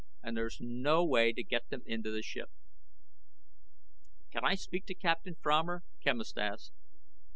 And there's no way to get them into the ship." "Can I speak to Captain Fromer?" Quemos asked.